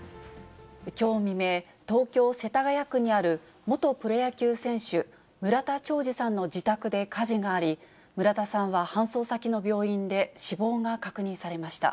きょう未明、東京・世田谷区にある元プロ野球選手、村田兆治さんの自宅で火事があり、村田さんは搬送先の病院で死亡が確認されました。